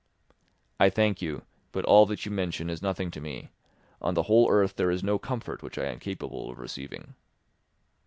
"I thank you, but all that you mention is nothing to me; on the whole earth there is no comfort which I am capable of receiving."